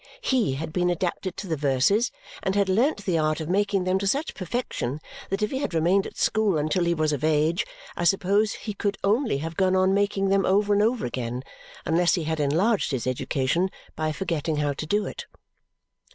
HE had been adapted to the verses and had learnt the art of making them to such perfection that if he had remained at school until he was of age, I suppose he could only have gone on making them over and over again unless he had enlarged his education by forgetting how to do it.